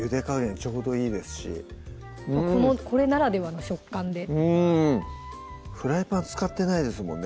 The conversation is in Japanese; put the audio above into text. ちょうどいいですしこれならではの食感でうんフライパン使ってないですもんね